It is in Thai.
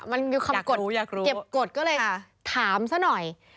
มันมีคำกฎเก็บกฎก็เลยถามซะหน่อย